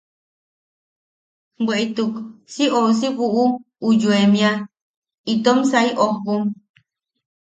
Bweʼituk si ousi buʼu u yoemia itom sai ojbom.